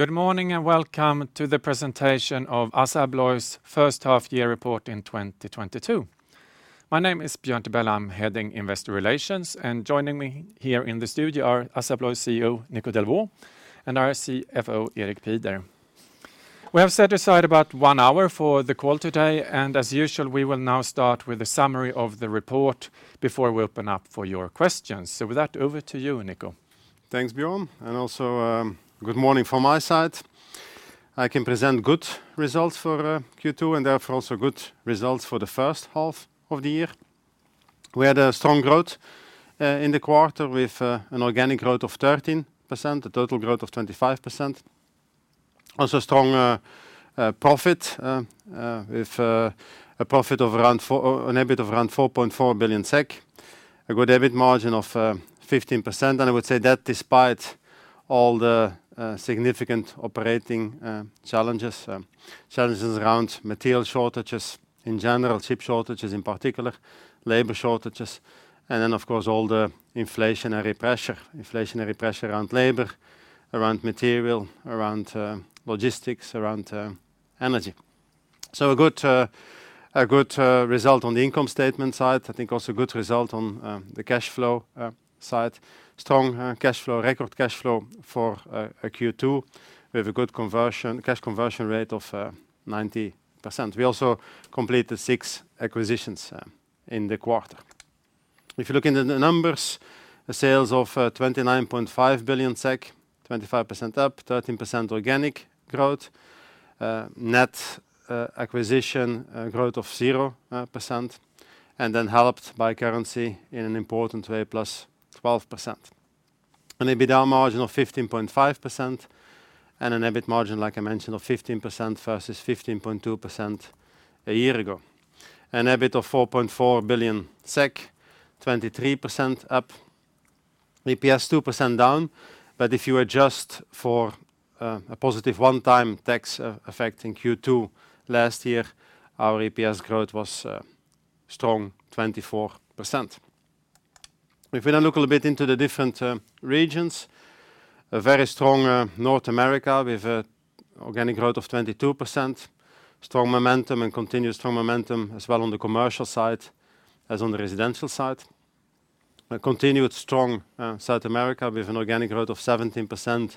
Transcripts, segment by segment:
Good morning, and welcome to the presentation of ASSA ABLOY's first half year report in 2022. My name is Björn Tibell. I'm heading Investor Relations and joining me here in the studio are ASSA ABLOY CEO Nico Delvaux and our CFO Erik Pieder. We have set aside about one hour for the call today, and as usual, we will now start with a summary of the report before we open up for your questions. With that, over to you, Nico. Thanks, Björn, and also good morning from my side. I can present good results for Q2, and therefore also good results for the first half of the year. We had a strong growth in the quarter with an organic growth of 13%, a total growth of 25%. Also, strong profit with an EBIT of around 4.4 billion SEK. A good EBIT margin of 15%, and I would say that despite all the significant operating challenges around material shortages in general, chip shortages in particular, labor shortages, and then of course all the inflationary pressure around labor, around material, around logistics, around energy. A good result on the income statement side. I think also a good result on the cash flow side. Strong cash flow, record cash flow for a Q2. We have a good conversion, cash conversion rate of 90%. We also completed six acquisitions in the quarter. If you look into the numbers, the sales of 29.5 billion SEK, 25% up, 13% organic growth. Net acquisition growth of 0%, and then helped by currency in an important way, +12%. An EBITA margin of 15.5% and an EBIT margin, like I mentioned, of 15% versus 15.2% a year ago. An EBIT of 4.4 billion SEK, 23% up. EPS, 2% down. If you adjust for a positive one-time tax effect affecting Q2 last year, our EPS growth was strong, 24%. If we now look a little bit into the different regions, a very strong North America with an organic growth of 22%. Strong momentum and continuous strong momentum as well on the commercial side, as on the residential side. A continued strong South America with an organic growth of 17%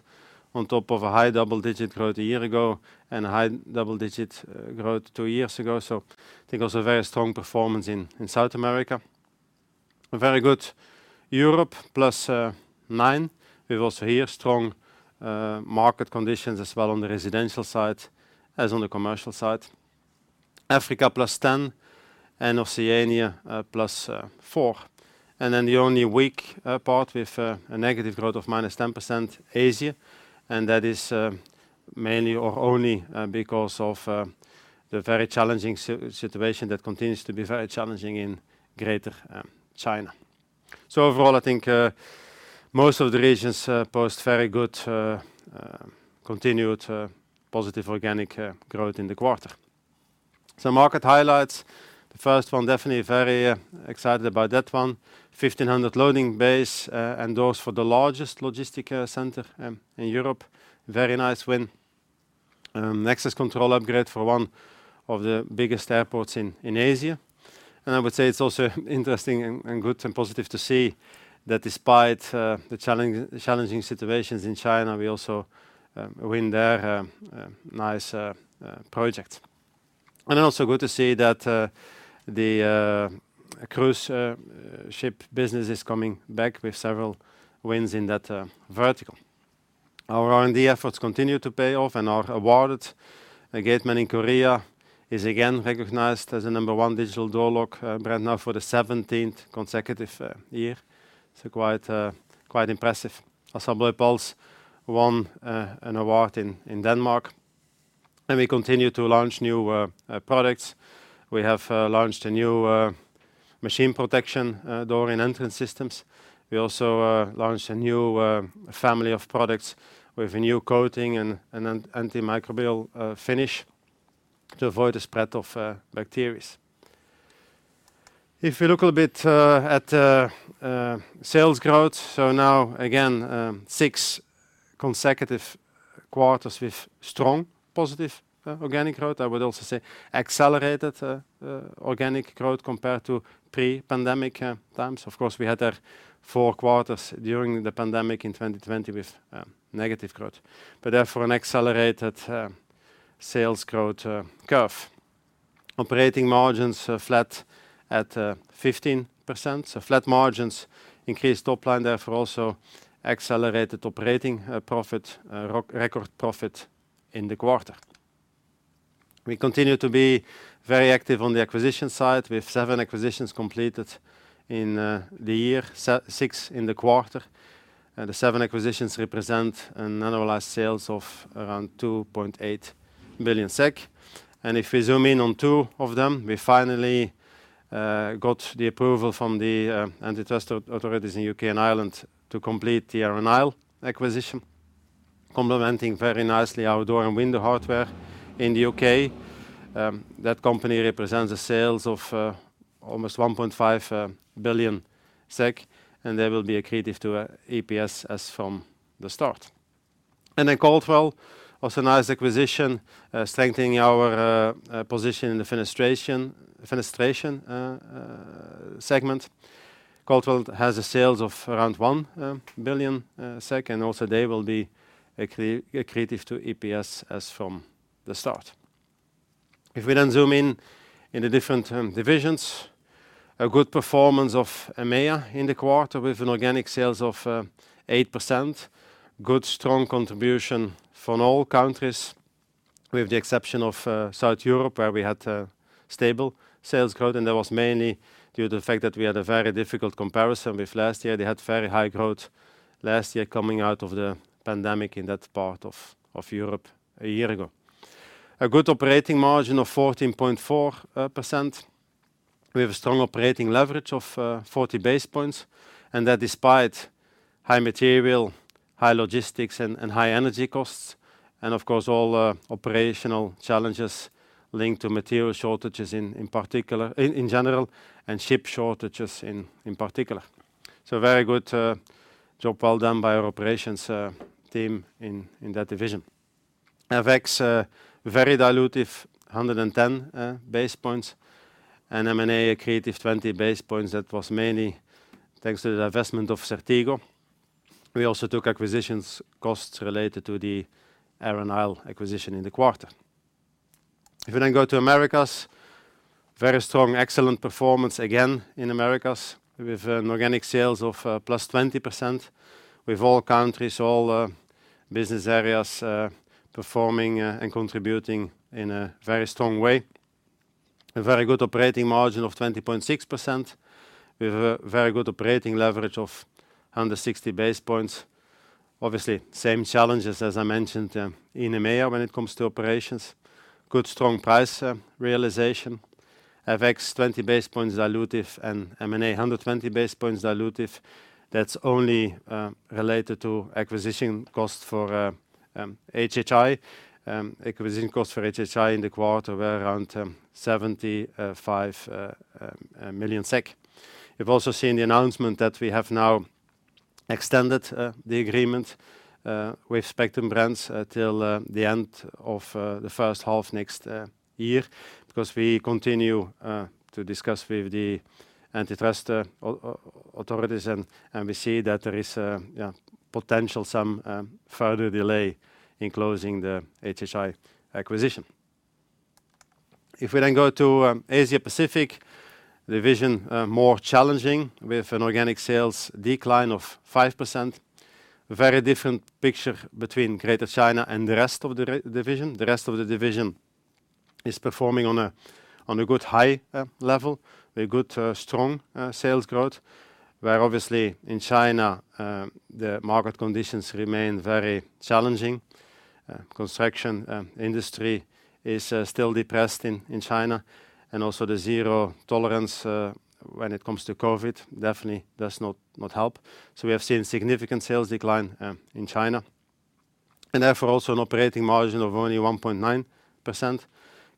on top of a high double-digit growth a year ago and a high double-digit growth two years ago. I think it was a very strong performance in South America. A very good Europe, +9%. We have also here strong market conditions as well on the residential side, as on the commercial side. Africa +10%, and Oceania +4%. The only weak part with a negative growth of -10%, Asia. That is mainly or only because of the very challenging situation that continues to be very challenging in Greater China. Overall, I think most of the regions posted very good continued positive organic growth in the quarter. Some market highlights. The first one, definitely very excited about that one. 1,500 loading bays and doors for the largest logistics center in Europe. Very nice win. Access control upgrade for one of the biggest airports in Asia. I would say it's also interesting and good and positive to see that despite the challenging situations in China, we also win there, nice project. Also good to see that the cruise ship business is coming back with several wins in that vertical. Our R&D efforts continue to pay off and are awarded. The Gateman in Korea is again recognized as the number one digital door lock brand now for the 17th consecutive year. Quite impressive. ASSA ABLOY PULSE won an award in Denmark. We continue to launch new products. We have launched a new machine protection door and Entrance Systems. We also launched a new family of products with a new coating and an antimicrobial finish to avoid the spread of bacteria. If you look a little bit at the sales growth, now again six consecutive quarters with strong positive organic growth. I would also say accelerated organic growth compared to pre-pandemic times. Of course, we had there four quarters during the pandemic in 2020 with negative growth, but therefore an accelerated sales growth curve. Operating margins are flat at 15%. Flat margins increase top line, therefore also accelerated operating profit record profit in the quarter. We continue to be very active on the acquisition side with seven acquisitions completed in the year, six in the quarter. The seven acquisitions represent an annualized sales of around 2.8 billion SEK. If we zoom in on two of them, we finally got the approval from the antitrust authorities in U.K. and Ireland to complete the Arran Isle acquisition. Complementing very nicely our door and window hardware in the U.K. That company represents the sales of almost 1.5 billion SEK, and they will be accretive to EPS as from the start. Caldwell, also a nice acquisition, strengthening our position in the fenestration segment. Caldwell has the sales of around 1 billion SEK, and also they will be accretive to EPS as from the start. If we then zoom in in the different divisions, a good performance of EMEIA in the quarter with an organic sales of 8%. Good, strong contribution from all countries, with the exception of Southern Europe, where we had a stable sales growth. That was mainly due to the fact that we had a very difficult comparison with last year. They had very high growth last year coming out of the pandemic in that part of Europe a year ago. A good operating margin of 14.4%. We have a strong operating leverage of 40 basis points, and that despite high material, high logistics and high energy costs. Of course, all operational challenges linked to material shortages in general, and ship shortages in particular. Very good job well done by our operations team in that division. FX very dilutive, 110 basis points and M&A accretive 20 basis points. That was mainly thanks to the divestment of CERTEGO. We also took acquisition costs related to the Arran Isle acquisition in the quarter. If we go to Americas, very strong, excellent performance again in Americas with an organic sales of +20%, with all countries, all business areas performing and contributing in a very strong way. A very good operating margin of 20.6%. We have a very good operating leverage of under 60 base points. Obviously, same challenges as I mentioned in EMEIA when it comes to operations. Good, strong price realization. FX 20 base points dilutive and M&A 120 base points dilutive. That's only related to acquisition costs for HHI. Acquisition costs for HHI in the quarter were around 75 million SEK. You've also seen the announcement that we have now extended the agreement with Spectrum Brands till the end of the first half next year because we continue to discuss with the antitrust authorities and we see that there is, yeah, some potential further delay in closing the HHI acquisition. If we then go to Asia Pacific, the situation is more challenging with an organic sales decline of 5%. Very different picture between Greater China and the rest of the division. The rest of the division is performing on a good high level with good strong sales growth. Where obviously in China the market conditions remain very challenging. Construction industry is still depressed in China and also the zero tolerance when it comes to COVID definitely does not help. We have seen significant sales decline in China, and therefore also an operating margin of only 1.9%,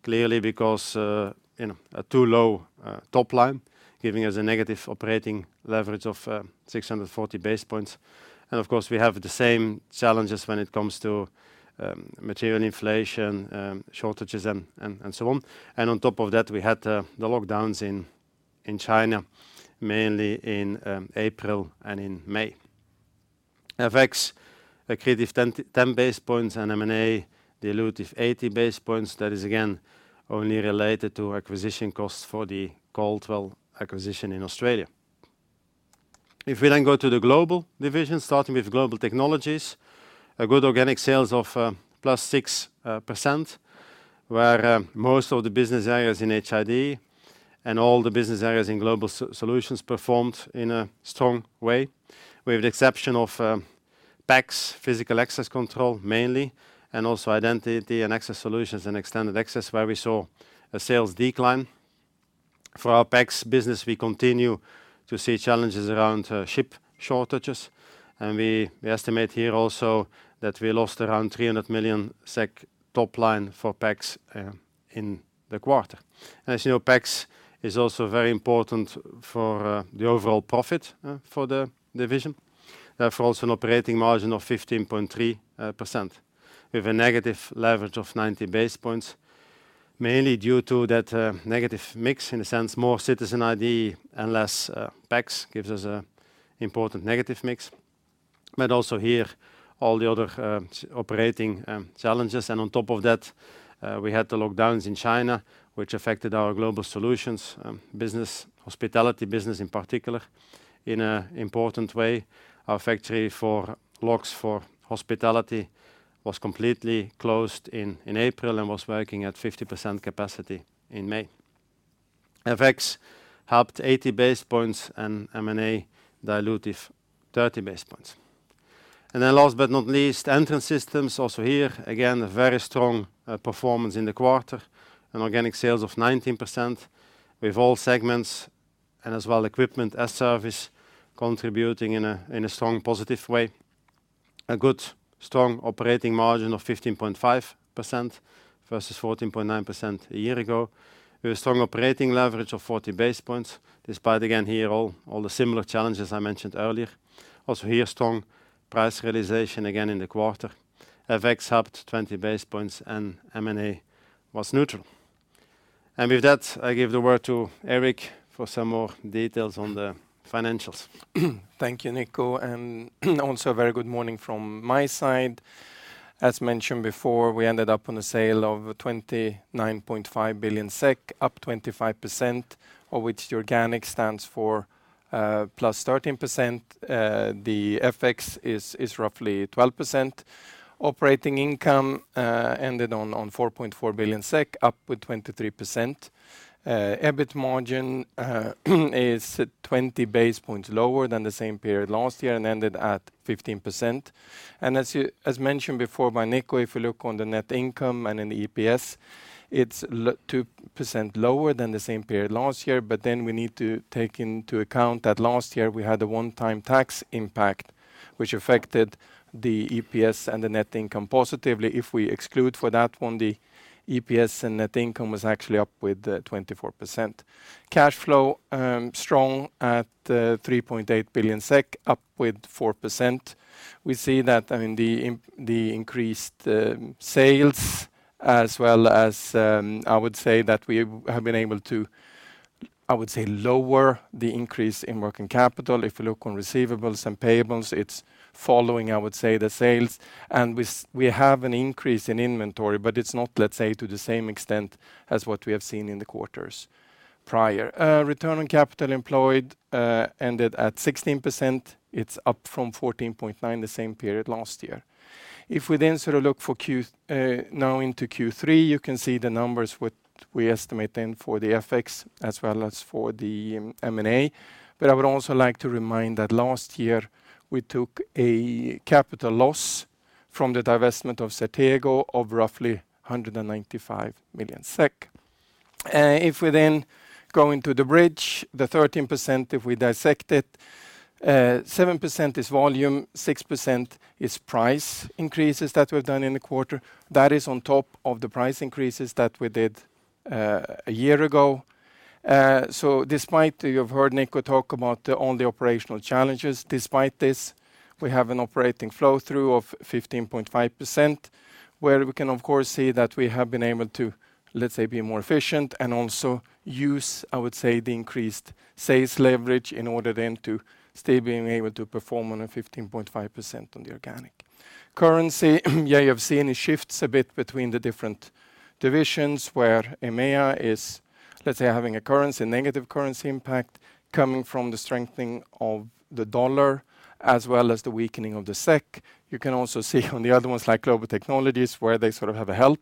clearly because you know, a too low top line, giving us a negative operating leverage of 640 basis points. Of course, we have the same challenges when it comes to material inflation, shortages and so on. On top of that, we had the lockdowns in China, mainly in April and in May. FX accretive 10 basis points and M&A dilutive 80 basis points. That is again only related to acquisition costs for the Caldwell acquisition in Australia. If we then go to the global division, starting with Global Technologies, a good organic sales of +6%. Where most of the business areas in HID and all the business areas in Global Solutions performed in a strong way, with the exception of PACS, physical access control mainly, and also identity and access solutions and extended access, where we saw a sales decline. For our PACS business, we continue to see challenges around chip shortages, and we estimate here also that we lost around 300 million SEK top line for PACS in the quarter. As you know, PACS is also very important for the overall profit for the division. Therefore, also an operating margin of 15.3% with a negative leverage of 90 basis points, mainly due to that negative mix. In a sense, more citizen ID and less PACS gives us an important negative mix. But also here all the other operating challenges. On top of that, we had the lockdowns in China, which affected our Global Solutions business, hospitality business in particular, in an important way. Our factory for locks for hospitality was completely closed in April and was working at 50% capacity in May. FX helped 80 basis points and M&A dilutive 30 basis points. Then last but not least, Entrance Systems. Also here again, a very strong performance in the quarter and organic sales of 19% with all segments as well, equipment as service contributing in a strong positive way. A good strong operating margin of 15.5% versus 14.9% a year ago. With a strong operating leverage of 40 basis points, despite again here all the similar challenges I mentioned earlier. Also here, strong price realization again in the quarter. FX helped 20 basis points and M&A was neutral. With that, I give the word to Erik for some more details on the financials. Thank you, Nico, and also a very good morning from my side. As mentioned before, we ended up on sales of 29.5 billion SEK, up 25%, of which the organic stands for +13%. The FX is roughly 12%. Operating income ended on 4.4 billion SEK, up with 23%. EBIT margin is 20 basis points lower than the same period last year and ended at 15%. As mentioned before by Nico, if you look on the net income and in the EPS, it's 2% lower than the same period last year. We need to take into account that last year we had a one-time tax impact, which affected the EPS and the net income positively. If we exclude for that one, the EPS and net income was actually up with 24%. Cash flow strong at 3.8 billion SEK, up with 4%. We see that, I mean, the increased sales as well as I would say that we have been able to, I would say, lower the increase in working capital. If you look on receivables and payables, it's following, I would say, the sales. We have an increase in inventory, but it's not, let's say, to the same extent as what we have seen in the quarters prior. Return on capital employed ended at 16%. It's up from 14.9% the same period last year. If we then sort of look for Q, now into Q3, you can see the numbers what we estimate then for the FX as well as for the M&A. I would also like to remind that last year we took a capital loss from the divestment of CERTEGO of roughly 195 million SEK. If we then go into the bridge, the 13%, if we dissect it, seven percent is volume, 6% is price increases that we've done in the quarter. That is on top of the price increases that we did a year ago. Despite you have heard Nico talk about the operational challenges, despite this, we have an operating flow through of 15.5%, where we can of course see that we have been able to, let's say, be more efficient and also use, I would say, the increased sales leverage in order then to still being able to perform on a 15.5% on the organic. Currency, yeah, you have seen it shifts a bit between the different divisions where EMEIA is, let's say, having a currency, negative currency impact coming from the strengthening of the dollar as well as the weakening of the SEK. You can also see on the other ones like Global Technologies, where they sort of have a help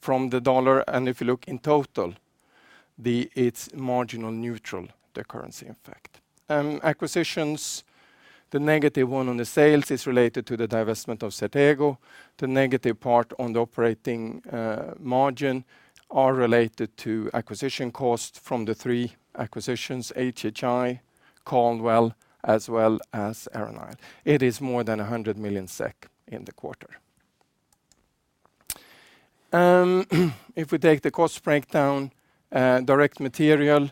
from the dollar. If you look in total, it's marginally neutral, the currency effect. Acquisitions, the -1% on the sales is related to the divestment of CERTEGO. The negative part on the operating margin are related to acquisition costs from the three acquisitions, HHI, Caldwell, as well as Arran Isle. It is more than 100 million SEK in the quarter. If we take the cost breakdown, direct material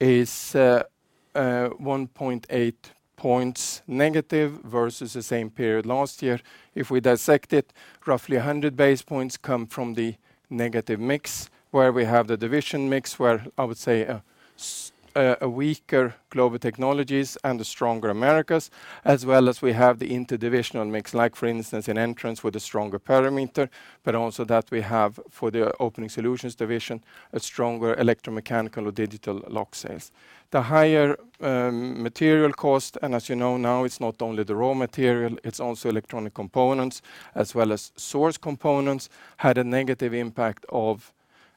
is 1.8 points negative versus the same period last year. If we dissect it, roughly 100 basis points come from the negative mix, where we have the division mix, where I would say a weaker Global Technologies and the stronger Americas, as well as we have the interdivisional mix, like for instance, in Entrance with a stronger parameter, but also that we have for the Opening Solutions division, a stronger electromechanical or digital lock sales. The higher material cost, and as you know now, it's not only the raw material, it's also electronic components, as well as sourced components, had a negative impact of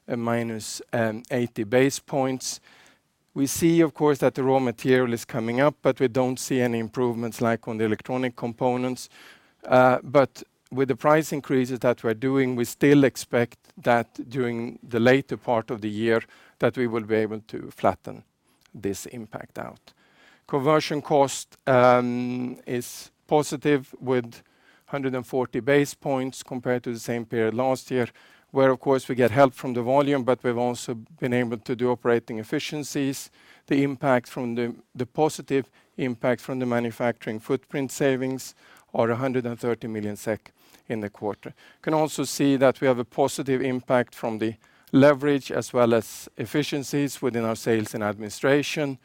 a -80 basis points. We see, of course, that the raw material is coming up, but we don't see any improvements yet on the electronic components. With the price increases that we're doing, we still expect that during the later part of the year that we will be able to flatten this impact out. Conversion cost is positive with 140 basis points compared to the same period last year, where of course, we get help from the volume, but we've also been able to do operating efficiencies. The positive impact from the manufacturing footprint savings are 130 million SEK in the quarter. We can also see that we have a positive impact from the leverage as well as efficiencies within our sales and administration.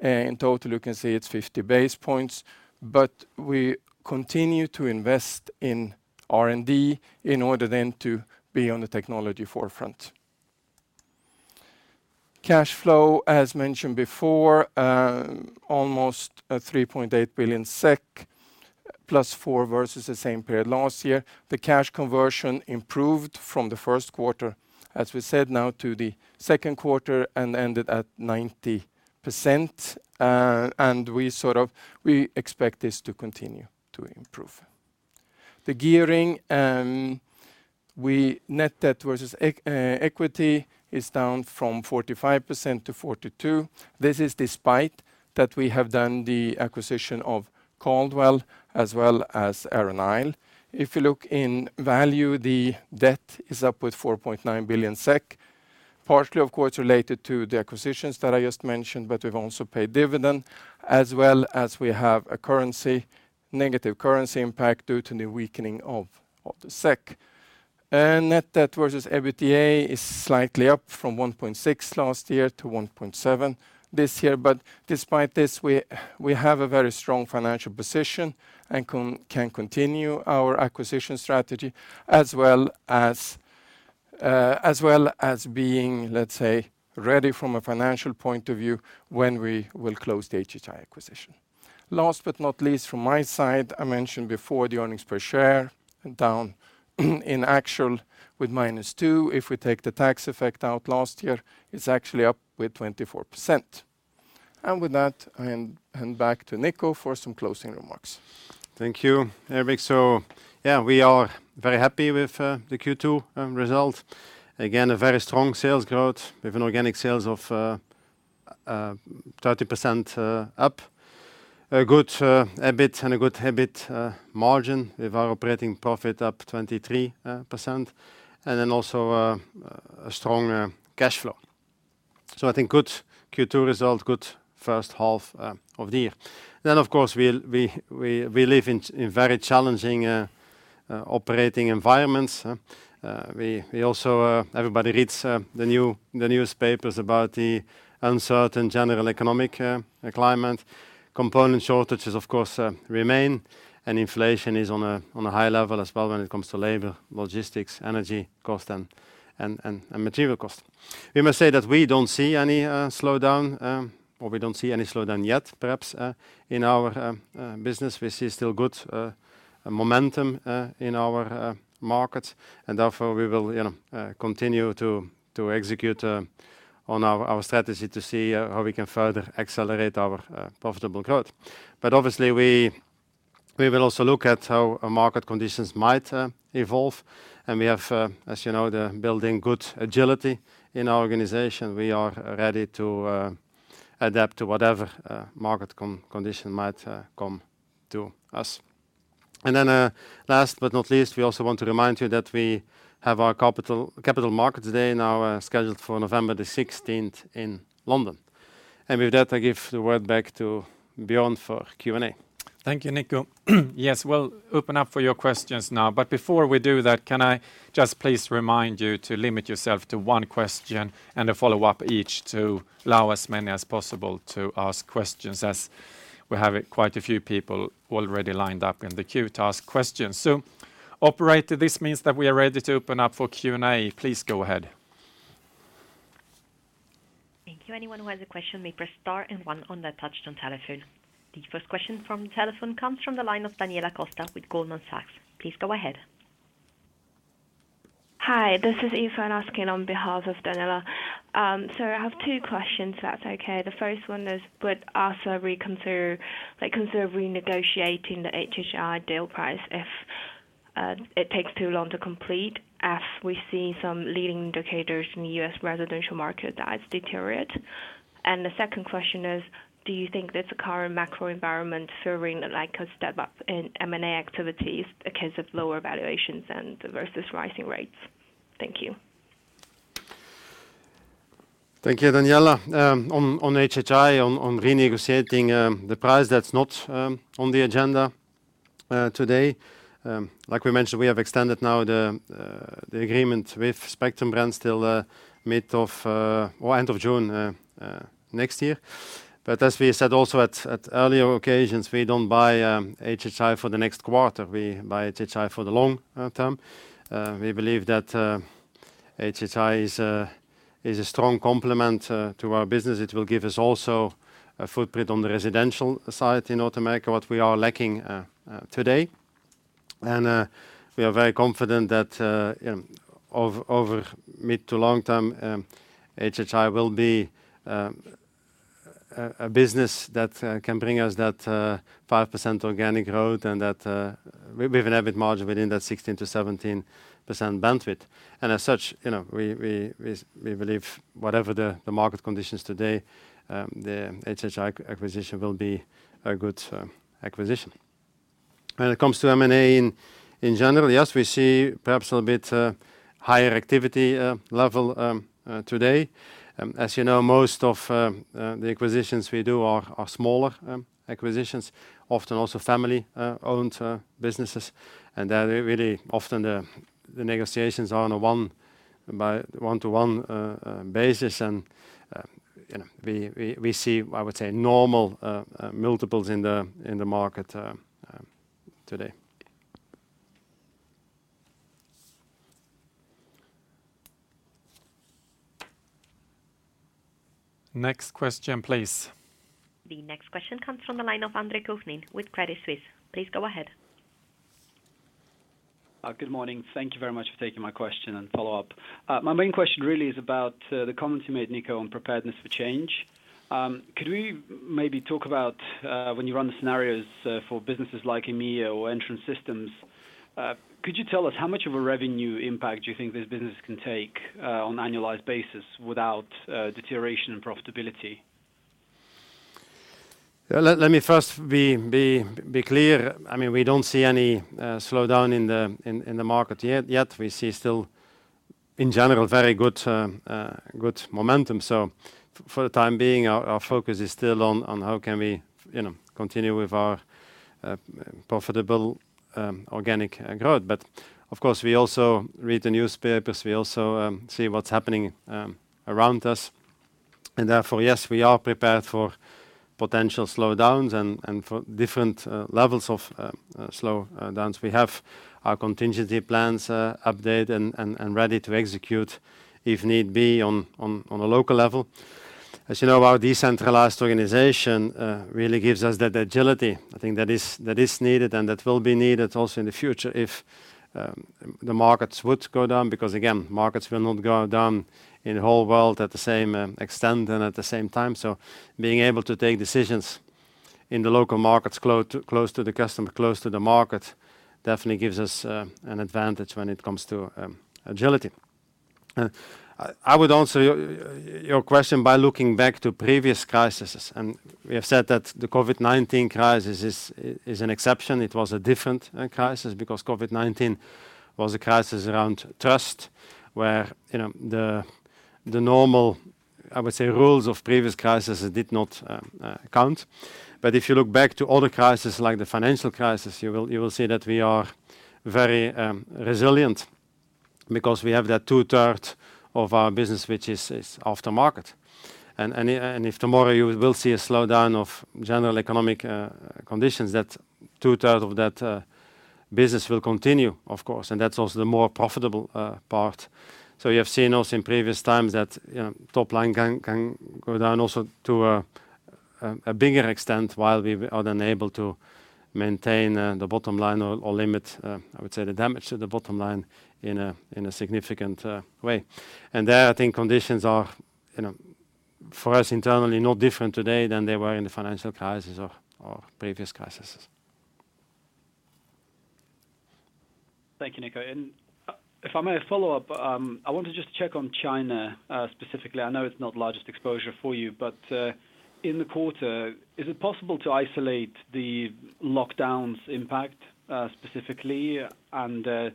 In total, you can see it's 50 basis points, but we continue to invest in R&D in order then to be on the technology forefront. Cash flow, as mentioned before, almost 3.8 billion SEK +4% versus the same period last year. The cash conversion improved from the first quarter, as we said now, to the second quarter and ended at 90%. We expect this to continue to improve. The gearing, we net debt versus equity is down from 45% to 42%. This is despite that we have done the acquisition of Caldwell as well as Arran Isle. If you look in value, the debt is up with 4.9 billion SEK, partially of course related to the acquisitions that I just mentioned, but we've also paid dividend as well as we have a currency negative currency impact due to the weakening of the SEK. Net debt versus EBITDA is slightly up from 1.6 last year to 1.7 this year. Despite this, we have a very strong financial position and can continue our acquisition strategy as well as being, let's say, ready from a financial point of view when we will close the HHI acquisition. Last but not least from my side, I mentioned before the earnings per share and down in actual with -2%. If we take the tax effect out last year, it's actually up with 24%. With that, I hand back to Nico for some closing remarks. Thank you, Erik. Yeah, we are very happy with the Q2 result. Again, a very strong sales growth. We have an organic sales of 30% up. A good EBIT and a good EBIT margin. We have our operating profit up 23%, and then also a strong cash flow. I think good Q2 result, good first half of the year. Of course, we live in very challenging operating environments. We also, everybody reads the newspapers about the uncertain general economic climate. Component shortages of course remain, and inflation is on a high level as well when it comes to labor, logistics, energy cost, and material cost. We must say that we don't see any slowdown yet, perhaps, in our business. We see still good momentum in our market, and therefore we will, you know, continue to execute on our strategy to see how we can further accelerate our profitable growth. Obviously, we will also look at how our market conditions might evolve. We have, as you know, built good agility in our organization. We are ready to adapt to whatever market condition might come to us. Last but not least, we also want to remind you that we have our Capital Markets Day now scheduled for November the 16th in London. With that, I give the word back to Björn for Q&A. Thank you, Nico. Yes. We'll open up for your questions now, but before we do that, can I just please remind you to limit yourself to one question and a follow-up each to allow as many as possible to ask questions, as we have quite a few people already lined up in the queue to ask questions. Operator, this means that we are ready to open up for Q&A. Please go ahead. Thank you. Anyone who has a question may press star and one on their touchtone telephone. The first question comes from the line of Daniela Costa with Goldman Sachs. Please go ahead. Hi, this is Eva asking on behalf of Daniela. I have two questions, if that's okay. The first one is, would ASSA reconsider, like, consider renegotiating the HHI deal price if it takes too long to complete as we see some leading indicators in the U.S. residential market that has deteriorate? The second question is, do you think that the current macro environment favoring like a step up in M&A activities in case of lower valuations and versus rising rates? Thank you. Thank you, Daniela. On HHI renegotiating the price, that's not on the agenda today. Like we mentioned, we have extended now the agreement with Spectrum Brands till mid or end of June next year. As we said also at earlier occasions, we don't buy HHI for the next quarter. We buy HHI for the long term. We believe that HHI is a strong complement to our business. It will give us also a footprint on the residential side in North America, what we are lacking today. We are very confident that, you know, over mid to long term, HHI will be a business that can bring us that 5% organic growth and that, with an EBIT margin within that 16%-17% bandwidth. As such, you know, we believe whatever the market conditions today, the HHI acquisition will be a good acquisition. When it comes to M&A in general, yes, we see perhaps a little bit higher activity level today. As you know, most of the acquisitions we do are smaller acquisitions, often also family owned businesses. They're really often the negotiations are on a one-to-one basis. You know, we see, I would say normal multiples in the market today. Next question, please. The next question comes from the line of Andre Kukhnin with Credit Suisse. Please go ahead. Good morning. Thank you very much for taking my question and follow-up. My main question really is about the comments you made, Nico, on preparedness for change. Could we maybe talk about when you run the scenarios for businesses like EMEIA or Entrance Systems, could you tell us how much of a revenue impact do you think this business can take on annualized basis without deterioration and profitability? Yeah. Let me first be clear. I mean, we don't see any slowdown in the market yet. We see still, in general, very good momentum. For the time being, our focus is still on how can we, you know, continue with our profitable organic growth. Of course, we also read the newspapers. We also see what's happening around us, and therefore, yes, we are prepared for potential slowdowns and for different levels of slowdowns. We have our contingency plans updated and ready to execute if need be on a local level. As you know, our decentralized organization really gives us that agility. I think that is needed and that will be needed also in the future if the markets would go down because, again, markets will not go down in the whole world at the same extent and at the same time. Being able to take decisions in the local markets close to the customer, close to the market, definitely gives us an advantage when it comes to agility. I would answer your question by looking back to previous crises. We have said that the COVID-19 crisis is an exception. It was a different crisis because COVID-19 was a crisis around trust, where, you know, the normal, I would say, rules of previous crises did not count. If you look back to other crises like the financial crisis, you will see that we are very resilient because we have that 2/3 of our business which is after market. If tomorrow you will see a slowdown of general economic conditions, that 2/3 of that business will continue, of course, and that's also the more profitable part. You have seen also in previous times that, you know, top line can go down also to a bigger extent while we are then able to maintain the bottom line or limit, I would say, the damage to the bottom line in a significant way. I think conditions are, you know, for us internally, no different today than they were in the financial crisis or previous crises. Thank you, Nico. If I may follow up, I want to just check on China, specifically. I know it's not largest exposure for you, but in the quarter, is it possible to isolate the lockdown's impact, specifically, and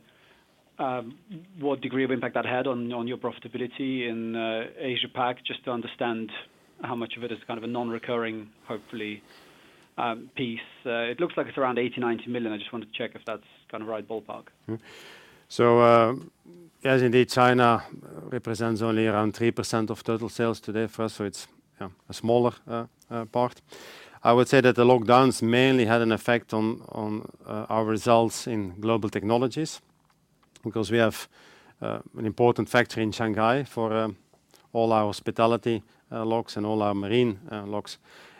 what degree of impact that had on your profitability in Asia Pac, just to understand how much of it is kind of a non-recurring, hopefully, piece? It looks like it's around 80 million-90 million. I just wanted to check if that's kind of right ballpark? Yes, indeed, China represents only around 3% of total sales today for us, so it's, yeah, a smaller part. I would say that the lockdowns mainly had an effect on our results in Global Technologies because we have an important factory in Shanghai for all our hospitality locks and all our marine locks.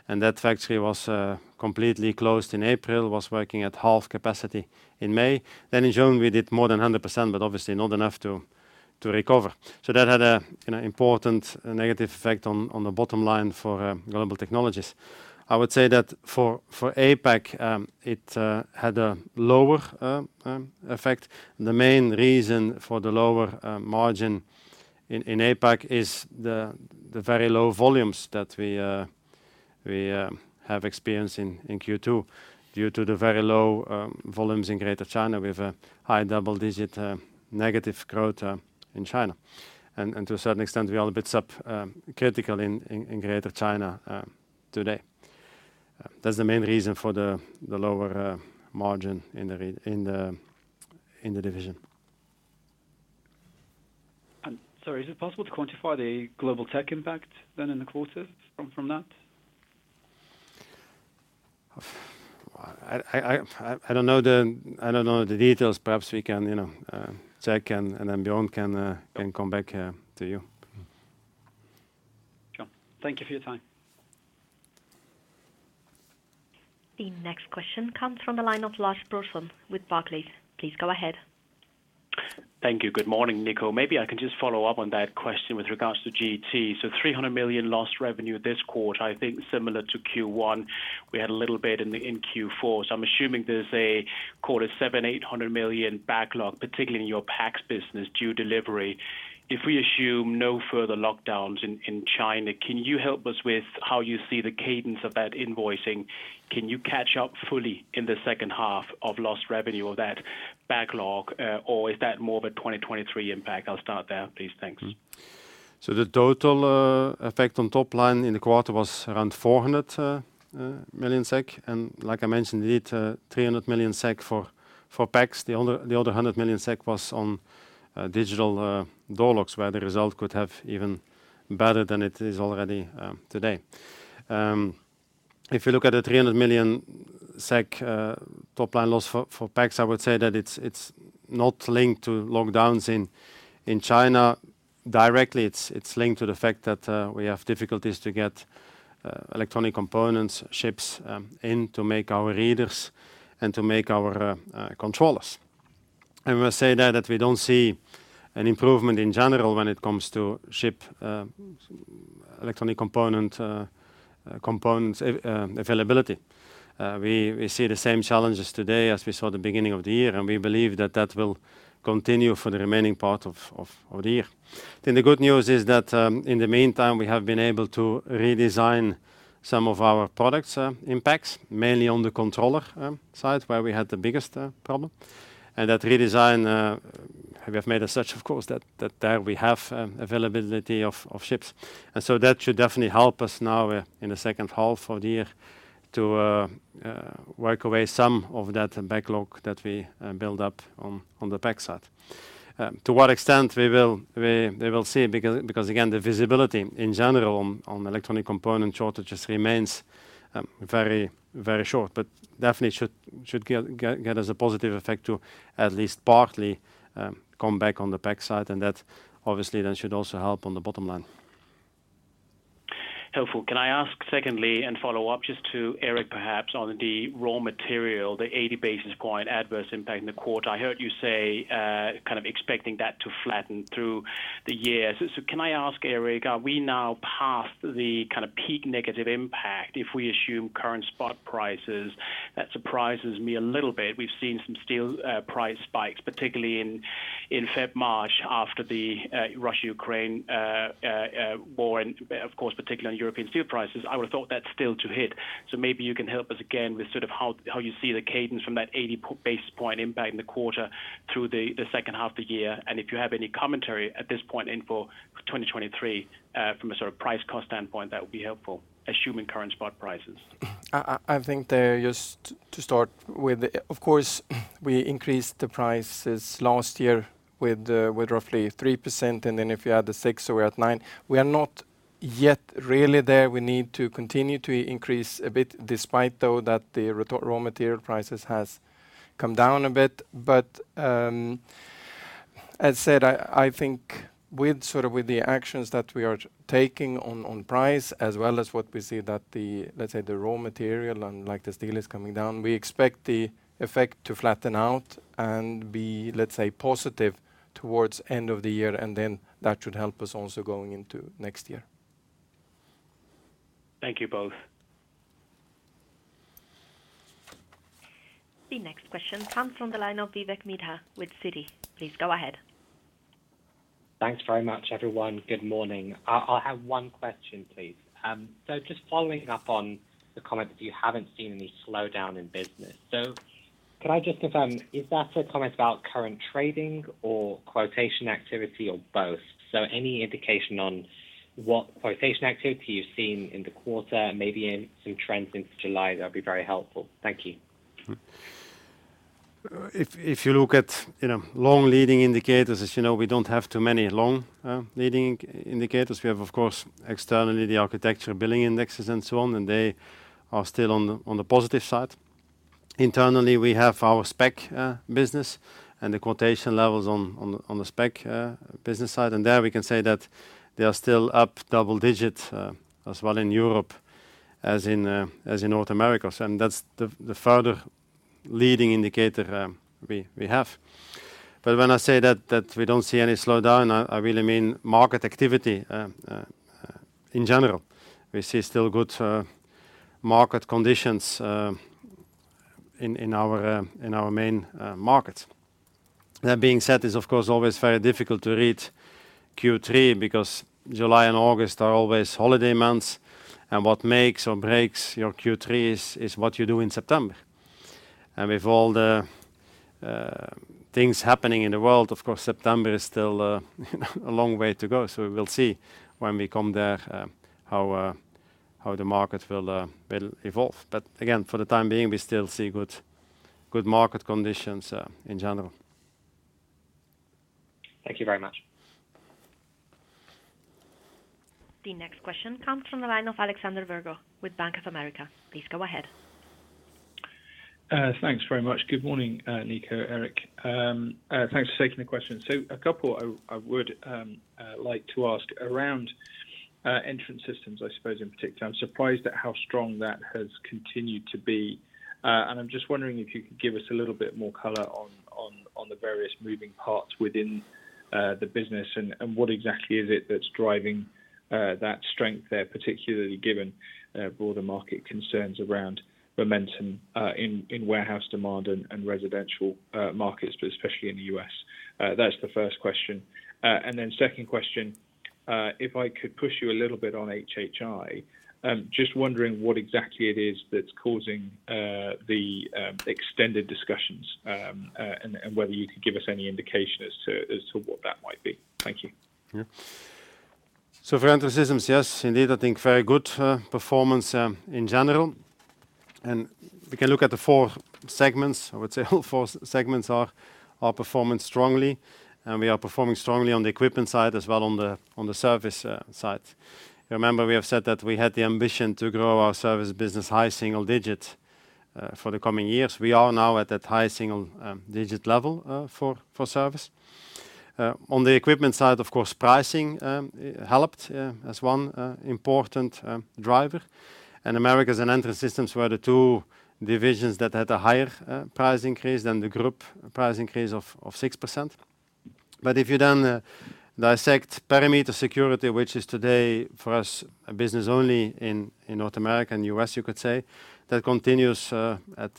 That factory was completely closed in April. It was working at half capacity in May. In June, we did more than 100%, but obviously not enough to recover. That had an important negative effect on the bottom line for Global Technologies. I would say that for APAC, it had a lower effect. The main reason for the lower margin in APAC is the very low volumes that we have experienced in Q2. Due to the very low volumes in Greater China, we have a high double-digit negative growth in China. To a certain extent, we are a bit subcritical in Greater China today. That's the main reason for the lower margin in the division. Is it possible to quantify the global tech impact then in the quarter from that? I don't know the details. Perhaps we can, you know, check and then Björn can come back to you. Sure. Thank you for your time. The next question comes from the line of Lars Brorson with Barclays. Please go ahead. Thank you. Good morning, Nico. Maybe I can just follow up on that question with regards to GT. 300 million lost revenue this quarter, I think similar to Q1. We had a little bit in Q4. I'm assuming there's a quarter 700 million-800 million backlog, particularly in your PACS business due delivery. If we assume no further lockdowns in China, can you help us with how you see the cadence of that invoicing? Can you catch up fully in the second half of lost revenue of that backlog? Or is that more of a 2023 impact? I'll start there, please. Thanks. The total effect on top line in the quarter was around 400 million SEK. Like I mentioned, indeed, 300 million SEK for PACS. The other 100 million SEK was on digital door locks, where the result could have even better than it is already today. If you look at the 300 million SEK top line loss for PACS, I would say that it's not linked to lockdowns in China directly. It's linked to the fact that we have difficulties to get electronic components, chips in to make our readers and to make our controllers. I will say that we don't see an improvement in general when it comes to electronic components availability. We see the same challenges today as we saw the beginning of the year, and we believe that will continue for the remaining part of the year. The good news is that in the meantime, we have been able to redesign some of our products impacts, mainly on the controller side, where we had the biggest problem. That redesign we have made as such, of course, that there we have availability of chips. That should definitely help us now in the second half of the year to work away some of that backlog that we build up on the PACS side. To what extent we will see, because again, the visibility in general on electronic component shortages remains very short. Definitely should get as a positive effect to at least partly come back on the PACS side, and that obviously then should also help on the bottom line. Helpful. Can I ask secondly and follow up just to Erik, perhaps, on the raw material, the 80 basis point adverse impact in the quarter. I heard you say, kind of expecting that to flatten through the year. Can I ask Erik, are we now past the kind of peak negative impact if we assume current spot prices? That surprises me a little bit. We've seen some steel price spikes, particularly in February/March after the Russia-Ukraine war and of course particularly on European steel prices. I would have thought that's still to hit. Maybe you can help us again with sort of how you see the cadence from that 80 basis point impact in the quarter through the second half of the year. If you have any commentary at this point in for 2023, from a sort of price cost standpoint, that would be helpful, assuming current spot prices. I think there, just to start with, of course, we increased the prices last year with roughly 3%, and then if you add the 6%, so we're at 9%. We are not yet really there. We need to continue to increase a bit, despite though that the raw material prices has come down a bit. As said, I think with sort of with the actions that we are taking on price, as well as what we see that the, let's say, the raw material and like the steel is coming down, we expect the effect to flatten out and be, let's say, positive towards end of the year, and then that should help us also going into next year. Thank you both. The next question comes from the line of Vivek Midha with Citi. Please go ahead. Thanks very much, everyone. Good morning. I have one question, please. Just following up on the comment that you haven't seen any slowdown in business. Can I just confirm, is that a comment about current trading or quotation activity or both? Any indication on what quotation activity you've seen in the quarter, maybe in some trends since July, that'd be very helpful. Thank you. If you look at, you know, long leading indicators, as you know, we don't have too many long leading indicators. We have, of course, externally the architecture billing indexes and so on, and they are still on the positive side. Internally, we have our spec business and the quotation levels on the spec business side. There we can say that they are still up double digit as well in Europe as in North America. That's the further leading indicator we have. When I say that we don't see any slowdown, I really mean market activity in general. We see still good market conditions in our main markets. That being said, it's of course always very difficult to read Q3 because July and August are always holiday months, and what makes or breaks your Q3 is what you do in September. With all the things happening in the world, of course, September is still a long way to go. We will see when we come there, how the market will evolve. Again, for the time being, we still see good market conditions in general. Thank you very much. The next question comes from the line of Alexander Virgo with Bank of America. Please go ahead. Thanks very much. Good morning, Nico, Erik. Thanks for taking the question. A couple I would like to ask around Entrance Systems, I suppose, in particular. I'm surprised at how strong that has continued to be. I'm just wondering if you could give us a little bit more color on the various moving parts within the business and what exactly is it that's driving that strength there, particularly given broader market concerns around momentum in warehouse demand and residential markets, but especially in the U.S. That's the first question. Second question, if I could push you a little bit on HHI, just wondering what exactly it is that's causing the extended discussions, and whether you could give us any indication as to what that might be. Thank you. For Entrance Systems, yes, indeed, I think very good performance in general. We can look at the four segments. I would say all four segments are performing strongly, and we are performing strongly on the equipment side as well on the service side. Remember we have said that we had the ambition to grow our service business high single digit for the coming years. We are now at that high single digit level for service. On the equipment side, of course, pricing helped as one important driver. Americas and Entrance Systems were the two divisions that had a higher price increase than the group price increase of 6%. If you then dissect perimeter security, which is today for us a business only in North America and U.S., you could say that continues at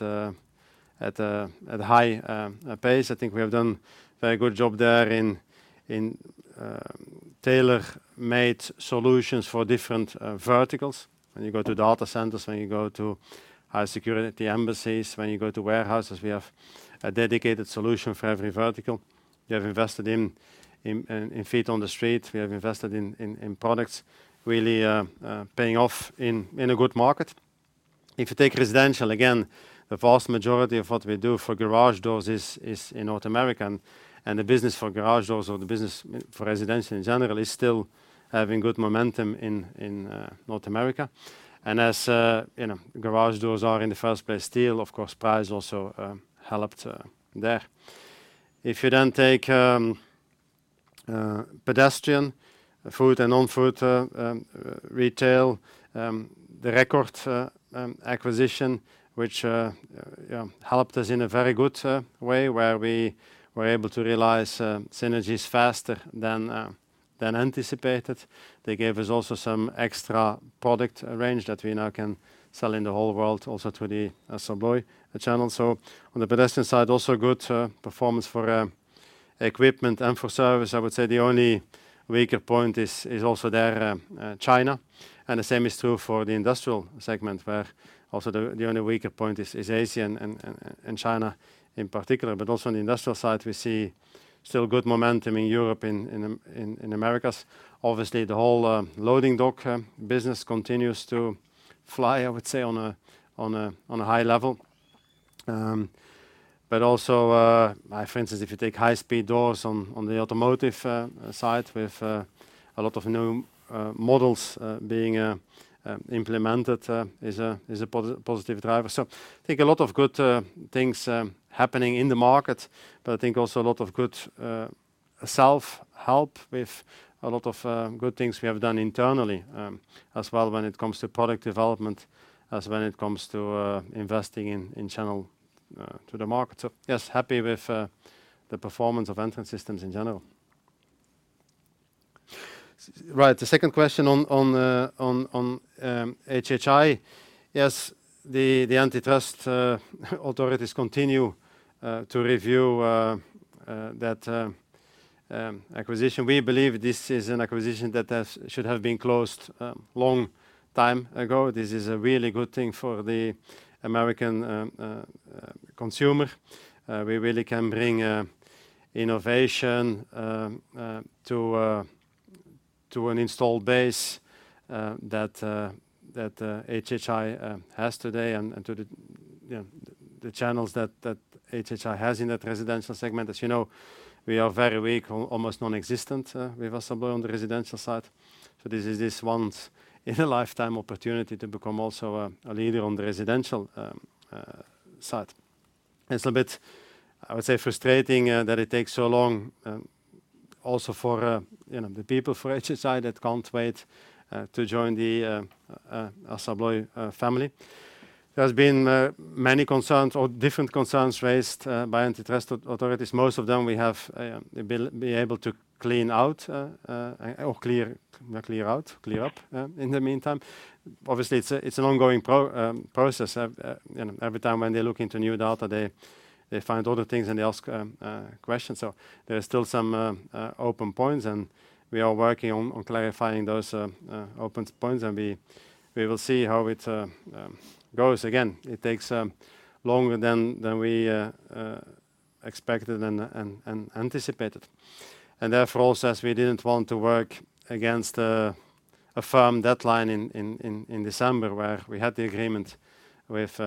high pace. I think we have done very good job there in tailor-made solutions for different verticals. When you go to data centers, when you go to high security embassies, when you go to warehouses, we have a dedicated solution for every vertical. We have invested in feet on the street. We have invested in products really paying off in a good market. If you take residential, again, the vast majority of what we do for garage doors is in North America. The business for garage doors or the business for residential in general is still having good momentum in North America. As you know, garage doors are in the first place steel, of course price also helped there. If you then take pedestrian foot and non-foot retail the record acquisition, which you know helped us in a very good way where we were able to realize synergies faster than anticipated. They gave us also some extra product range that we now can sell in the whole world also through the ASSA ABLOY channel. On the pedestrian side, also good performance for equipment and for service. I would say the only weaker point is also there, China. The same is true for the industrial segment, where also the only weaker point is Asia and China in particular. Also on the industrial side, we see still good momentum in Europe, in Americas. Obviously, the whole loading dock business continues to fly, I would say, on a high level. Also, for instance, if you take high-speed doors on the automotive side with a lot of new models being implemented, is a positive driver. I think a lot of good things happening in the market, but I think also a lot of good self-help with a lot of good things we have done internally, as well when it comes to product development as when it comes to investing in channel to the market. Yes, happy with the performance of Entrance Systems in general. Right. The second question on HHI. Yes, the antitrust authorities continue to review that acquisition. We believe this is an acquisition that should have been closed long time ago. This is a really good thing for the American consumer. We really can bring innovation to an installed base that HHI has today and to the, you know, the channels that HHI has in that residential segment. As you know, we are very weak, almost nonexistent, with ASSA ABLOY on the residential side. This is this once in a lifetime opportunity to become also a leader on the residential side. It's a bit, I would say, frustrating that it takes so long, also for, you know, the people for HHI that can't wait to join the ASSA ABLOY family. There's been many concerns or different concerns raised by antitrust authorities. Most of them we have been able to clean out or clear out, clear up in the meantime. Obviously it's an ongoing process. You know, every time when they look into new data, they find other things and they ask questions. There are still some open points, and we are working on clarifying those open points. We will see how it goes. Again, it takes longer than we expected and anticipated. As we didn't want to work against a firm deadline in December, where we had the agreement with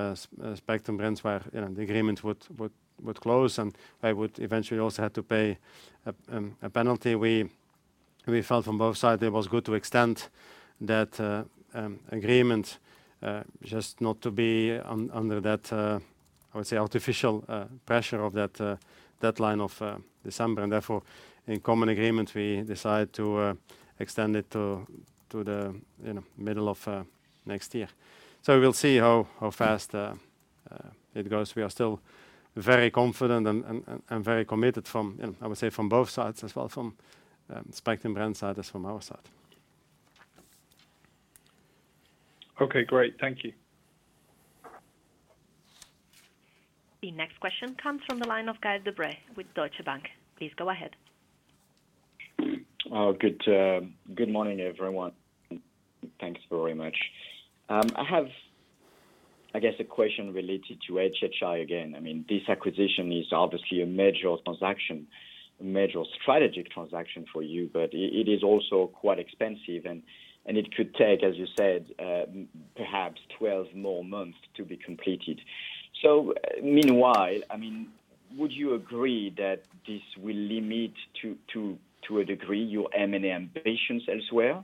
Spectrum Brands where, you know, the agreement would close, and I would eventually also had to pay a penalty. We felt on both sides it was good to extend that agreement, just not to be under that, I would say, artificial pressure of that deadline of December. In common agreement, we decided to extend it to the, you know, middle of next year. We'll see how fast it goes. We are still very confident and very committed from, you know, I would say from both sides as well, from Spectrum Brands side as from our side. Okay, great. Thank you. The next question comes from the line of Gael De Bray with Deutsche Bank. Please go ahead. Oh, good morning, everyone. Thanks very much. I have, I guess, a question related to HHI again. I mean, this acquisition is obviously a major transaction, a major strategic transaction for you, but it is also quite expensive and it could take, as you said, perhaps 12 more months to be completed. Meanwhile, I mean, would you agree that this will limit to a degree your M&A ambitions elsewhere?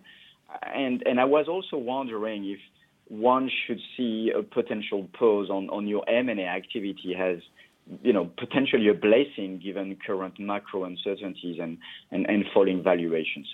I was also wondering if one should see a potential pause on your M&A activity as, you know, potentially a blessing given current macro uncertainties and falling valuations.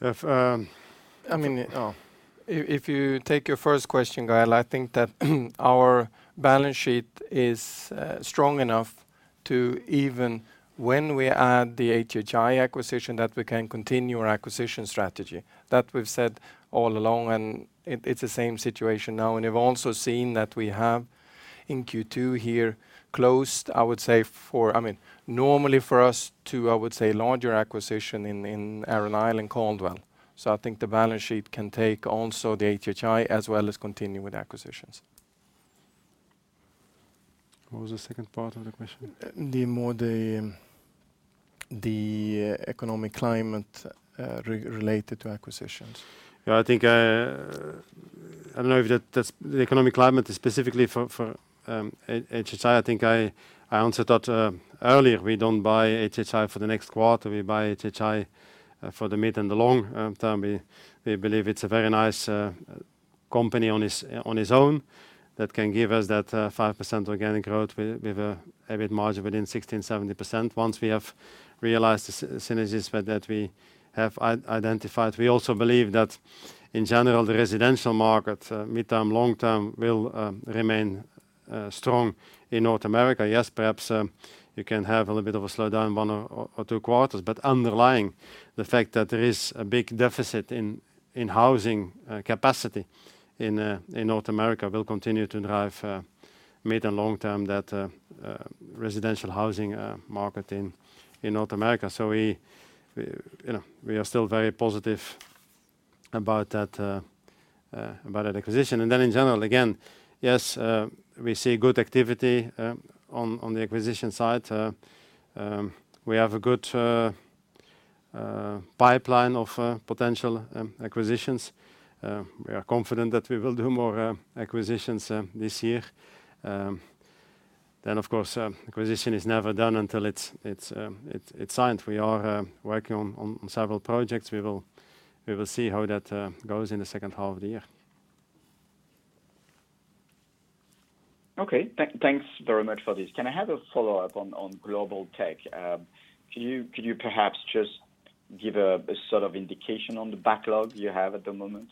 If you take your first question, Gael, I think that our balance sheet is strong enough, even when we add the HHI acquisition, that we can continue our acquisition strategy. That we've said all along, and it's the same situation now. We've also seen that we have in Q2 here closed, I would say four, I mean, normally for us two, I would say, larger acquisition in Arran Isle and Caldwell. I think the balance sheet can take also the HHI as well as continue with acquisitions. What was the second part of the question? The economic climate related to acquisitions. Yeah, I think, I don't know if that's the economic climate is specifically for HHI. I think I answered that earlier. We don't buy HHI for the next quarter. We buy HHI for the mid and the long term. We believe it's a very nice company on its own that can give us that 5% organic growth with a EBIT margin within 60%-70% once we have realized the synergies that we have identified. We also believe that in general, the residential market midterm, long term will remain strong in North America. Yes, perhaps you can have a little bit of a slowdown one or two quarters but underlying the fact that there is a big deficit in housing capacity in North America will continue to drive mid and long term the residential housing market in North America. We, you know, are still very positive about that acquisition. In general, again, yes, we see good activity on the acquisition side. We have a good pipeline of potential acquisitions. We are confident that we will do more acquisitions this year. Of course, acquisition is never done until it's signed. We are working on several projects. We will see how that goes in the second half of the year. Okay. Thanks very much for this. Can I have a follow-up on Global Technologies? Could you perhaps just give a sort of indication on the backlog you have at the moment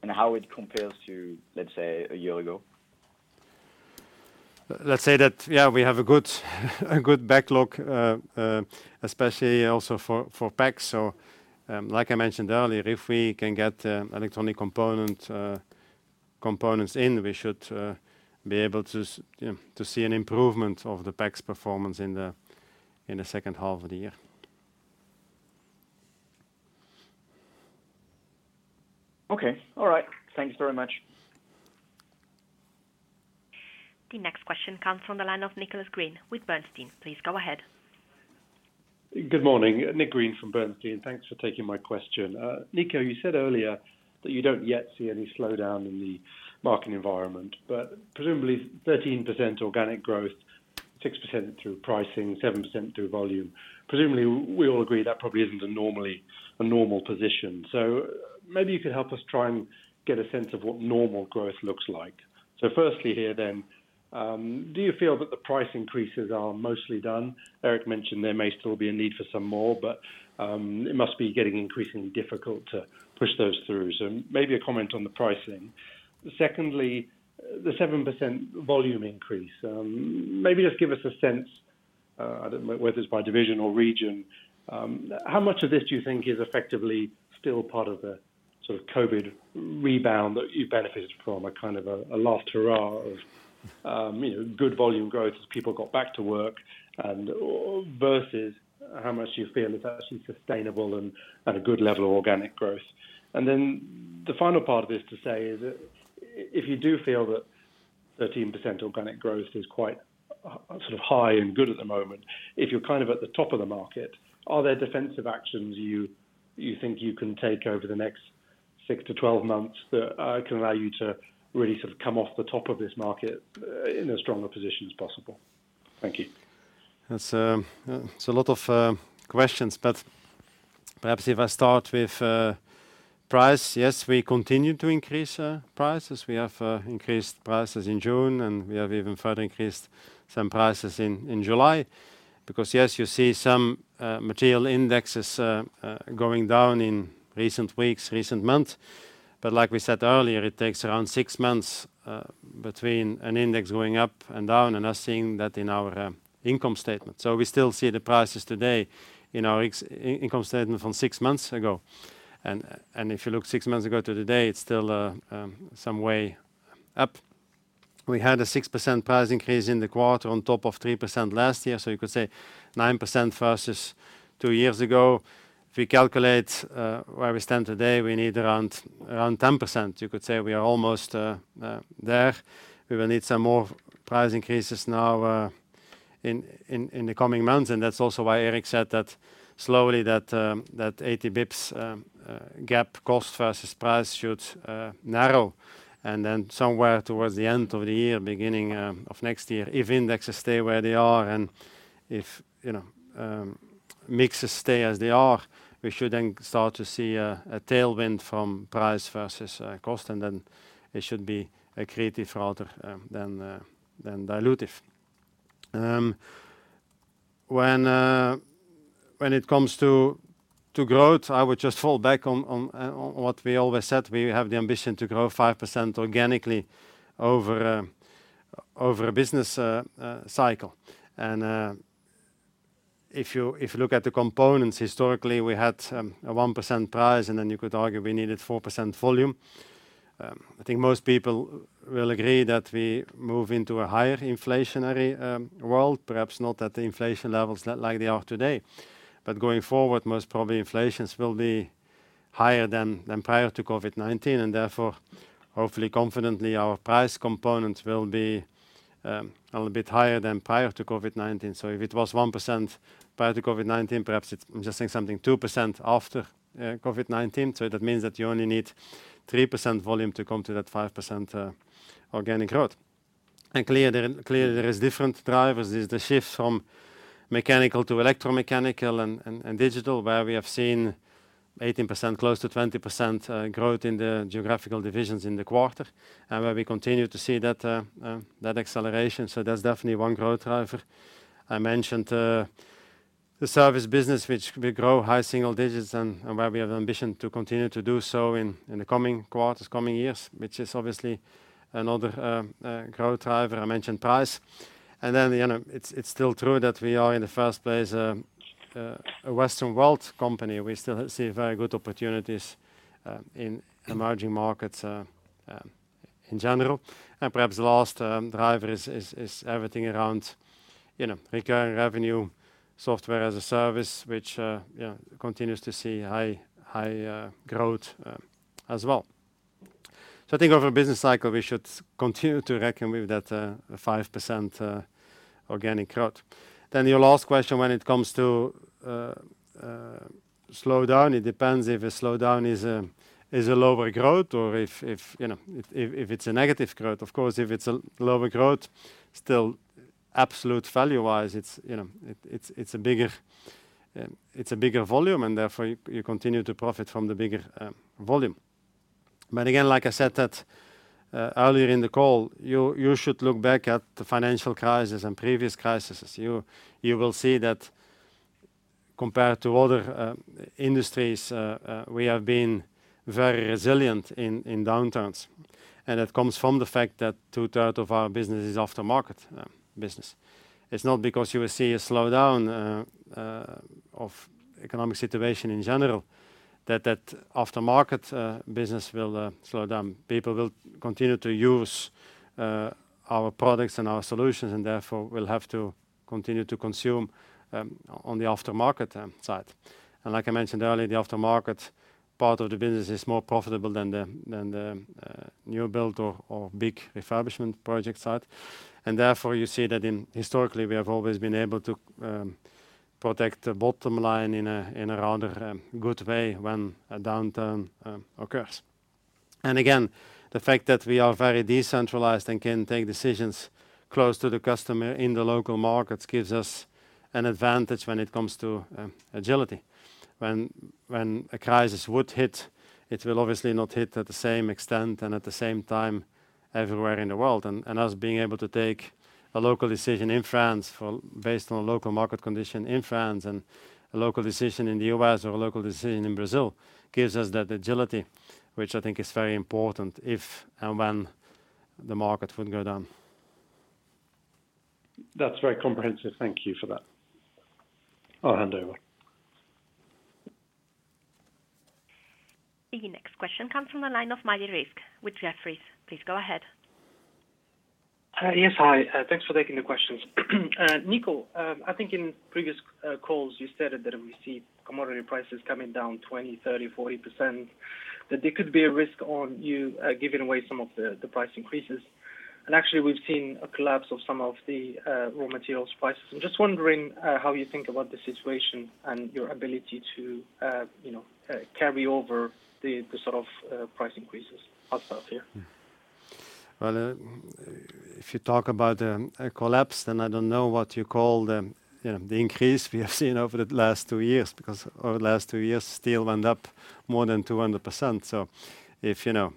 and how it compares to, let's say, a year ago? Let's say that, yeah, we have a good backlog, especially also for PACS. Like I mentioned earlier, if we can get electronic components in, we should be able to, you know, to see an improvement of the PACS's performance in the second half of the year. Okay. All right. Thank you very much. The next question comes from the line of Nicholas Green with Bernstein. Please go ahead. Good morning. Nick Green from Bernstein. Thanks for taking my question. Nico, you said earlier that you don't yet see any slowdown in the market environment, but presumably 13% organic growth, 6% through pricing, 7% through volume. Presumably we all agree that probably isn't a normal position. Maybe you could help us try and get a sense of what normal growth looks like. First, here then, do you feel that the price increases are mostly done? Erik mentioned there may still be a need for some more, but it must be getting increasingly difficult to push those through. Maybe a comment on the pricing. Second, the 7% volume increase. Maybe just give us a sense, I don't know whether it's by division or region, how much of this do you think is effectively still part of the sort of COVID rebound that you benefited from, a kind of last hurrah of, you know, good volume growth as people got back to work and versus how much do you feel is actually sustainable and at a good level of organic growth? The final part of this to say is that if you do feel that 13% organic growth is quite sort of high and good at the moment, if you're kind of at the top of the market, are there defensive actions you think you can take over the next six to 12 months that can allow you to really sort of come off the top of this market in as strong a position as possible? Thank you. That's a lot of questions, but perhaps if I start with price. Yes, we continue to increase prices. We have increased prices in June, and we have even further increased some prices in July because yes, you see some material indexes going down in recent weeks, recent months. Like we said earlier, it takes around six months between an index going up and down and us seeing that in our income statement. We still see the prices today in our income statement from six months ago. If you look six months ago to today, it's still some way up. We had a 6% price increase in the quarter on top of 3% last year. You could say 9% versus two years ago. If we calculate where we stand today, we need around 10%. You could say we are almost there. We will need some more price increases now in the coming months. That's also why Erik said that slowly that 80 basis points gap, cost versus price, should narrow and then somewhere towards the end of the year, beginning of next year, if indexes stay where they are and if, you know, mixes stay as they are. We should then start to see a tailwind from price versus cost, and then it should be accretive rather than dilutive. When it comes to growth, I would just fall back on what we always said. We have the ambition to grow 5% organically over a business cycle. If you look at the components historically, we had a 1% price and then you could argue we needed 4% volume. I think most people will agree that we move into a higher inflationary world. Perhaps not at the inflation levels like they are today. Going forward, most probably inflation will be higher than prior to COVID-19 and therefore, hopefully, confidently, our price component will be a little bit higher than prior to COVID-19. So if it was 1% prior to COVID-19, perhaps it's. I'm just saying something 2% after COVID-19. So that means that you only need 3% volume to come to that 5% organic growth. Clearly there are different drivers. There's the shift from mechanical to electromechanical and digital, where we have seen 18% close to 20% growth in the geographical divisions in the quarter, and where we continue to see that acceleration. That's definitely one growth driver. I mentioned the service business which we grow high single digits and where we have ambition to continue to do so in the coming quarters, coming years, which is obviously another growth driver. I mentioned price. You know, it's still true that we are in the first place a Western world company. We still see very good opportunities in emerging markets in general. Perhaps the last driver is everything around, you know, recurring revenue, software as a service, which, yeah, continues to see high growth as well. I think over a business cycle, we should continue to reckon with that 5% organic growth. Your last question when it comes to slowdown. It depends if a slowdown is a lower growth or if you know if it's a negative growth. Of course, if it's a lower growth, still absolute value-wise, it's you know a bigger volume and therefore you continue to profit from the bigger volume. Again, like I said earlier in the call, you should look back at the financial crisis and previous crises. You will see that compared to other industries, we have been very resilient in downturns. It comes from the fact that 2/3 of our business is aftermarket business. It's not because you will see a slowdown of economic situation in general that aftermarket business will slow down. People will continue to use our products and our solutions and therefore will have to continue to consume on the aftermarket side. Like I mentioned earlier, the aftermarket part of the business is more profitable than the new build or big refurbishment project side. Therefore you see that historically we have always been able to protect the bottom line in a rather good way when a downturn occurs. Again, the fact that we are very decentralized and can take decisions close to the customer in the local markets gives us an advantage when it comes to agility. When a crisis would hit, it will obviously not hit at the same extent and at the same time everywhere in the world. Us being able to take a local decision in France based on local market condition in France and a local decision in the U.S. or a local decision in Brazil gives us that agility, which I think is very important if and when the market would go down. That's very comprehensive. Thank you for that. I'll hand over. The next question comes from the line of Rizk Maidi with Jefferies. Please go ahead. Yes. Hi. Thanks for taking the questions. Nico, I think in previous calls you stated that if we see commodity prices coming down 20%, 30%, 40%, that there could be a risk of you giving away some of the price increases. Actually, we've seen a collapse of some of the raw materials prices. I'm just wondering how you think about the situation and your ability to, you know, carry over the sort of price increases ourselves here. Well, if you talk about a collapse, then I don't know what you call the, you know, the increase we have seen over the last two years. Because over the last two years, steel went up more than 200%. If, you know,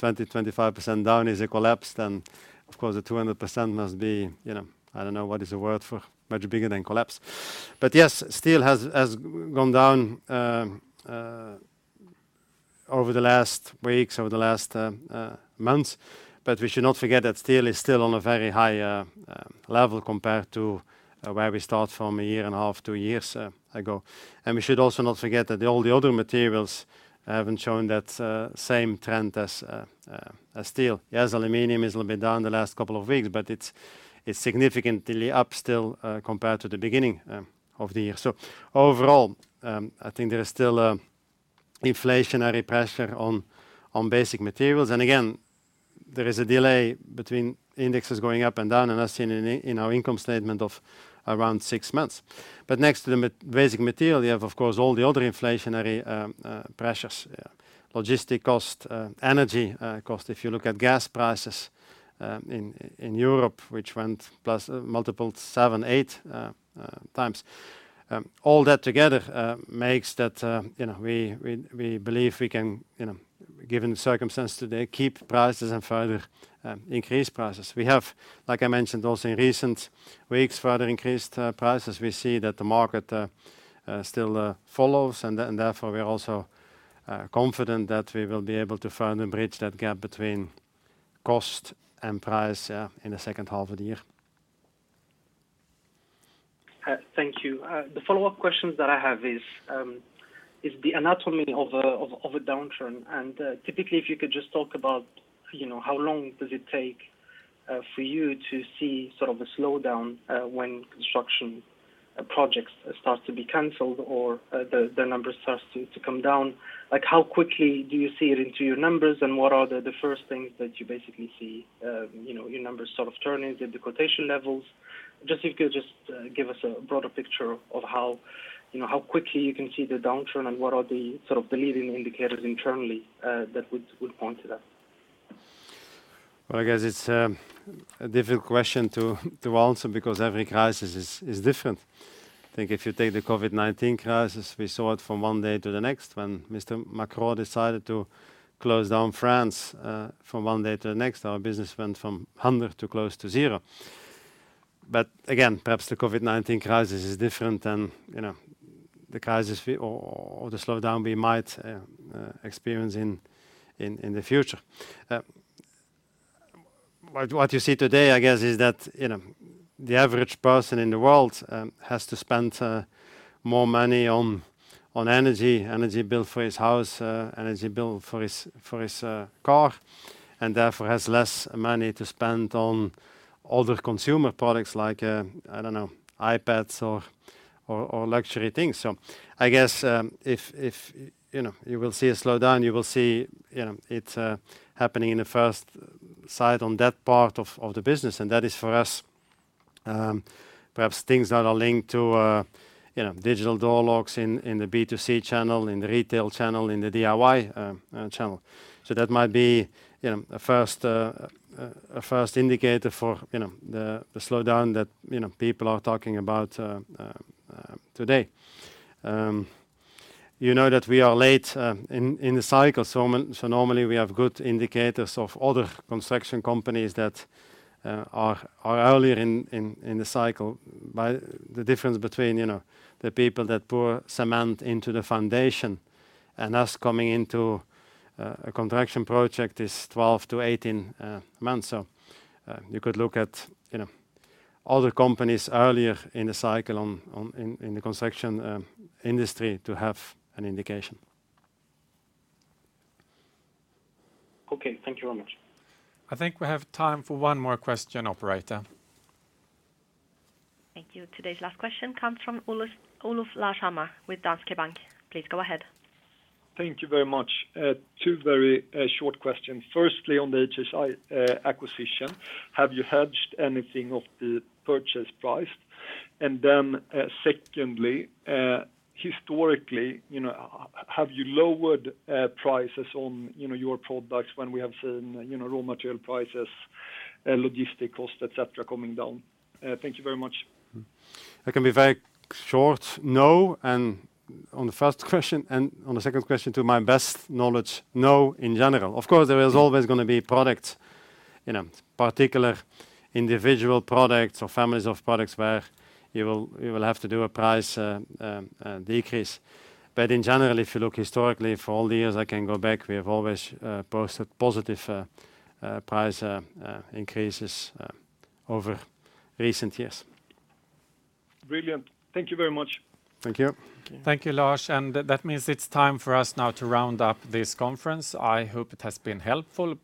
20%-25% down is a collapse, then of course the 200% must be, you know, I don't know what is the word for much bigger than collapse. But yes, steel has gone down over the last weeks, months. But we should not forget that steel is still on a very high level compared to where we start from a year and a half, two years ago. And we should also not forget that all the other materials haven't shown that same trend as steel. Yes, aluminum is a little bit down the last couple of weeks, but it's significantly up still compared to the beginning of the year. Overall, I think there is still an inflationary pressure on basic materials. Again, there is a delay between indexes going up and down, and that's in our income statement of around six months. But next to the basic material, you have, of course, all the other inflationary pressures. Logistics cost, energy cost. If you look at gas prices in Europe, which went up multiple 7x, 8x. All that together makes it that you know, we believe we can, you know, given the circumstances today, keep prices and further increase prices. We have, like I mentioned also in recent weeks, further increased prices. We see that the market still follows and therefore we are also confident that we will be able to further bridge that gap between cost and price, yeah, in the second half of the year. Thank you. The follow-up questions that I have is the anatomy of a downturn. Typically, if you could just talk about, you know, how long does it take for you to see sort of a slowdown when construction projects start to be canceled or the numbers starts to come down? Like, how quickly do you see it in your numbers and what are the first things that you basically see, you know, your numbers sort of turning at the quotation levels? Just if you could just give us a broader picture of how, you know, how quickly you can see the downturn and what are the sort of leading indicators internally that would point to that. Well, I guess it's a difficult question to answer because every crisis is different. I think if you take the COVID-19 crisis, we saw it from one day to the next. When Mr. Macron decided to close down France, from one day to the next, our business went from 100 to close to zero. Again, perhaps the COVID-19 crisis is different than, you know, the crisis we or the slowdown we might experience in the future. What you see today, I guess, is that, you know, the average person in the world has to spend more money on energy bill for his house, energy bill for his car, and therefore has less money to spend on other consumer products like, I don't know, iPads or luxury things. I guess, if you know, you will see a slowdown, you will see, you know, it happening in the first sign of that part of the business, and that is for us, perhaps things that are linked to, you know, digital door locks in the B2C channel, in the retail channel, in the DIY channel. That might be, you know, a first indicator for, you know, the slowdown that, you know, people are talking about today. You know that we are late in the cycle, normally we have good indicators of other construction companies that are earlier in the cycle. The difference between, you know, the people that pour cement into the foundation and us coming into a construction project is 12-18 months. You could look at, you know, other companies earlier in the cycle in the construction industry to have an indication. Okay. Thank you very much. I think we have time for one more question, operator. Thank you. Today's last question comes from Olof Larshammar with Danske Bank. Please go ahead. Thank you very much. Two very short questions. Firstly, on the HHI acquisition, have you hedged anything of the purchase price? Secondly, historically, you know, have you lowered prices on, you know, your products when we have seen, you know, raw material prices, logistics costs, et cetera, coming down? Thank you very much. I can be very short. No. On the first question and on the second question, to my best knowledge, no, in general. Of course, there is always gonna be products, you know, particular individual products or families of products where you will have to do a price decrease. In general, if you look historically for all the years I can go back, we have always posted positive price increases over recent years. Brilliant. Thank you very much. Thank you. Thank you, Lars. That means it's time for us now to round up this conference. I hope it has been helpful.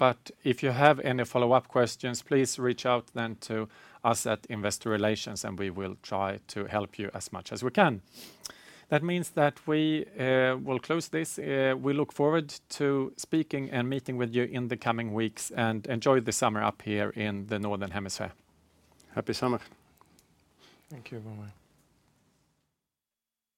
If you have any follow-up questions, please reach out then to us at Investor Relations, and we will try to help you as much as we can. That means that we will close this. We look forward to speaking and meeting with you in the coming weeks and enjoy the summer up here in the northern hemisphere. Happy summer. Thank you very much.